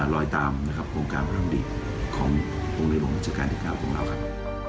รอยตามโครงการพัฒนธรรมดีของโรงเรียนวงวัฒนธิกาลของเราครับ